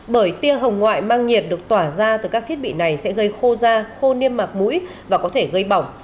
bởi tia hồng ngoại mang nhiệt được tỏa ra từ các thiết bị này sẽ gây khô da khô niêm mạc mũi và có thể gây bỏng